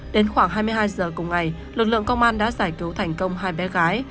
đến khoảng hai mươi hai giờ cùng ngày lực lượng công an đã giải cứu thành công hai bé gái